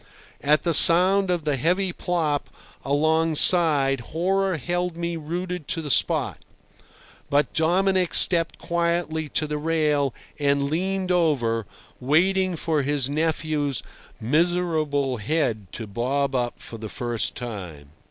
At the sound of the heavy plop alongside horror held me rooted to the spot; but Dominic stepped quietly to the rail and leaned over, waiting for his nephew's miserable head to bob up for the first time.